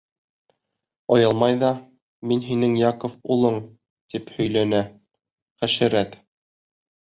Оялмай ҙа, мин һинең Яков улың, тип һөйләнә, хәшәрәт!